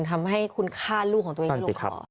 ถึงทำให้คุณฆ่าลูกของตัวเองเป็นลูกขอ